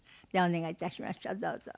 ではお願いいたしましょう。